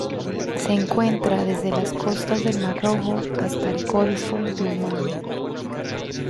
Se encuentra desde las costas del Mar Rojo hasta el Golfo de Omán.